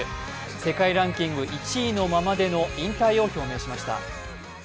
世界ランキング１位のままでの引退を表明しました。